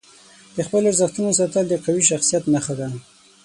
د خپلو ارزښتونو ساتل د قوي شخصیت نښه ده.